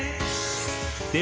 で